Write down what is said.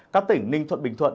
các tỉnh ninh thuận bình thuận